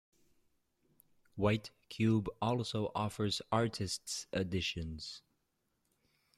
White Cube also offers artists' editions.